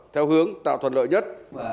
theo hướng tạo thuận lợi nhất